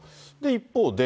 一方で。